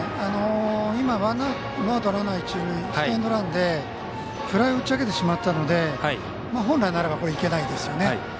今、ワンアウトランナー、一塁ヒットエンドランでフライを打ち上げてしまったので本来ならば、いけないですよね。